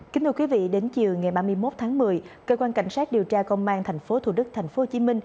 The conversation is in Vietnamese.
kính thưa quý vị đến chiều ngày ba mươi một tháng một mươi cơ quan cảnh sát điều tra công an tp thủ đức tp hcm